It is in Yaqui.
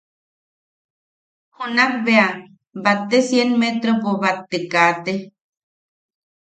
Junak bea batte cien metropo bat te kaate.